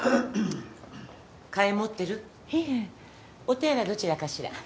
お手洗いどちらかしら？